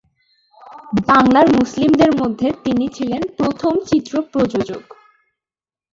বাংলার মুসলিমদের মধ্যে তিনি ছিলেন প্রথম চিত্র প্রযোজক।